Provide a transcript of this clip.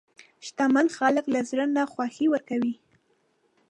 شتمن خلک له زړه نه خوښي ورکوي.